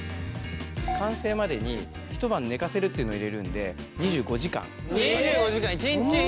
完成までに一晩寝かせるっていうのを入れるんで２５時間かかります。